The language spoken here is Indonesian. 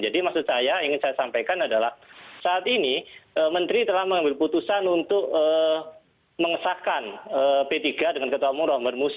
jadi maksud saya ingin saya sampaikan adalah saat ini menteri telah mengambil keputusan untuk mengesahkan p tiga dengan ketua umum ramadhan musi